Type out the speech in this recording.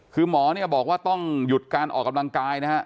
คือหมอเนี่ยบอกว่าต้องหยุดการออกกำลังกายนะฮะ